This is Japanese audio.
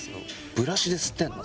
ブラシで吸ってんの？